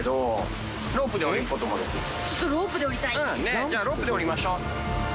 じゃあロープでおりましょう。